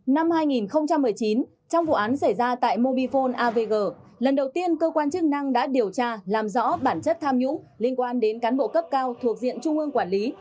năm hai nghìn một mươi chín trong vụ án xảy ra tại mobifone avg lần đầu tiên cơ quan chức năng đã điều tra làm rõ bản chất tham nhũng liên quan đến cán bộ cấp cao thuộc diện trung ương quản lý